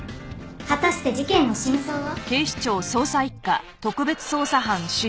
「果たして事件の真相は？」